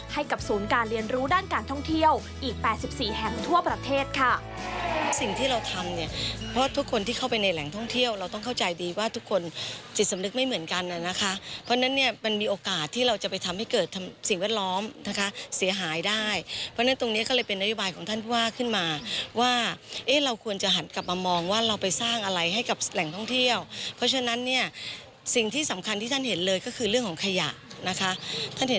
ให้กับศูนย์การเรียนรู้ด้านการท่องเที่ยวอีก๘๔แห่งทั่วประเทศค่ะ